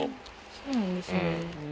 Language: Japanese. そうなんですね。